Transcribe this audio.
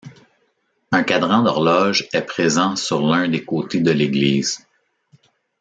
Un cadran d'horloge est présent sur l'un des côtés de l'église.